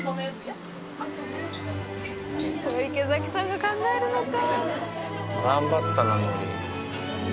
池崎さんが考えるのか。